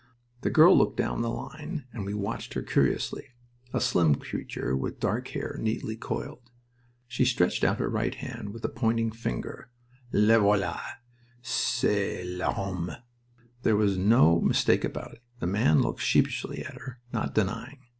The girl looked down the line, and we watched her curiously a slim creature with dark hair neatly coiled. She stretched out her right hand with a pointing finger. "Le voila!... c'est l'homme." There was no mistake about it, and the man looked sheepishly at her, not denying.